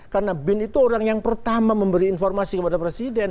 karena bin itu orang yang pertama memberi informasi kepada presiden